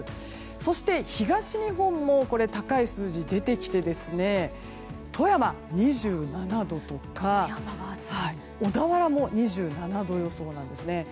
そして、東日本も高い数字が出てきて富山２７度とか小田原も２７度予想なんですね。